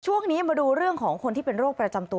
ช่วงนี้มาดูเรื่องของคนที่เป็นโรคประจำตัว